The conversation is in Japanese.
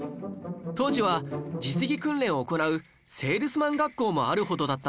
当時は実技訓練を行うセールスマン学校もあるほどだったんです